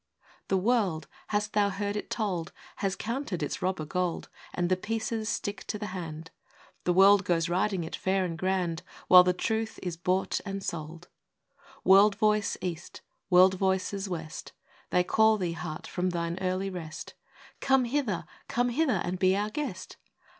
ii. The world, thou hast heard it told, Has counted its robber gold, And the pieces stick to the hand. The world goes riding it fair and grand, While the truth is bought and sold! World voice east, world voices west, They call thee, Heart, from thine early rest, " Come hither, come hither and be our guest."